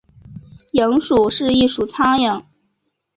蝇属是一属苍蝇。